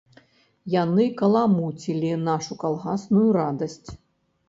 Яны каламуцілі нашу калгасную радасць.